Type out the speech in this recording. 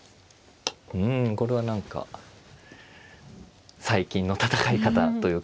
うんこれは何か最近の戦い方という感じですね。